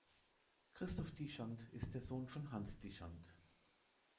Christoph Dichand ist der Sohn von Hans Dichand.